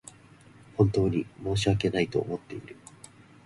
本当に申し訳ないと思っている